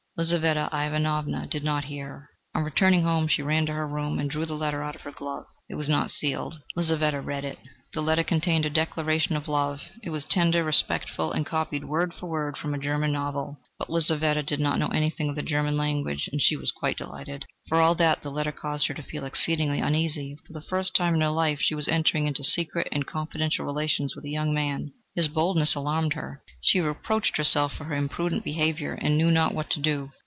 Lizaveta Ivanovna did not hear her. On returning home she ran to her room, and drew the letter out of her glove: it was not sealed. Lizaveta read it. The letter contained a declaration of love; it was tender, respectful, and copied word for word from a German novel. But Lizaveta did not know anything of the German language, and she was quite delighted. For all that, the letter caused her to feel exceedingly uneasy. For the first time in her life she was entering into secret and confidential relations with a young man. His boldness alarmed her. She reproached herself for her imprudent behaviour, and knew not what to do.